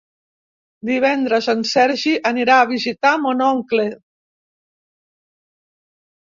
Divendres en Sergi anirà a visitar mon oncle.